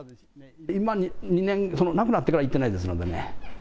今、２年、亡くなってから行ってないですのでね。